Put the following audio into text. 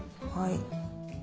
はい。